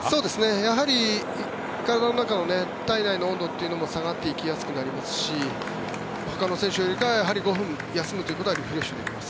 やはり体の中の体内の温度も下がっていきやすくなりますしほかの選手よりかは５分休むということはリフレッシュできます。